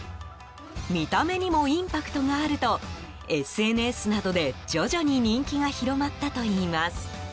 見た目にもインパクトがあるとＳＮＳなどで徐々に人気が広まったといいます。